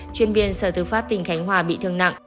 chuyên viên sở tư pháp tỉnh khánh hòa bị thương nặng